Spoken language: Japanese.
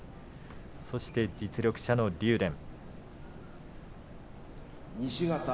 そして、実力者の竜電。